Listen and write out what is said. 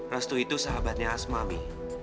restu itu sahabatnya asma mi